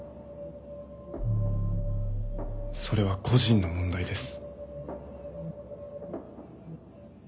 それは個人の問題です。